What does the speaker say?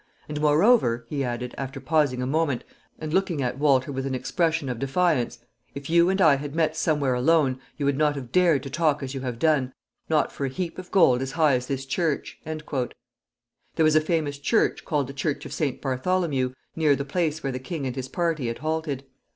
And, moreover," he added, after pausing a moment and looking at Walter with an expression of defiance, "if you and I had met somewhere alone, you would not have dared to talk as you have done, not for a heap of gold as high as this church." There was a famous church, called the Church of St. Bartholomew, near the place where the king and his party had halted.